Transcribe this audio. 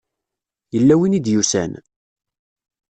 Yella win i d-yusan?